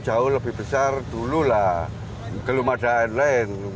jauh lebih besar dulu lah belum ada airline